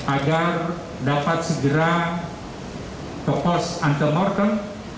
agar dapat segera ke pos antemortem